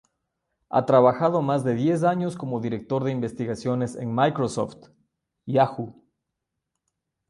Ha trabajado más de diez años como director de investigaciones en Microsoft, Yahoo!